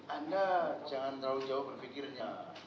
anda jangan terlalu jauh berpikirnya